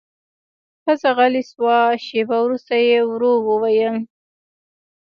ښځه غلې شوه، شېبه وروسته يې ورو وويل: